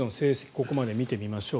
ここまで見てみましょう。